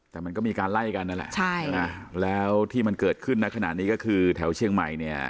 แต่มันก็มีการไล่กันนั่นแหละใช่ใช่ไหมแล้วที่มันเกิดขึ้นในขณะนี้ก็คือแถวเชียงใหม่เนี่ย